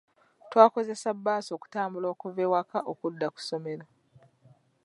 Twakozesezza bbaasi okutambula okuva ewaka okudda ku ssomero .